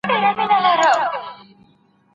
په ارامه فضا کي څېړنه وکړه.